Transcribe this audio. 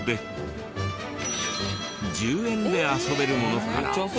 １０円で遊べるものから。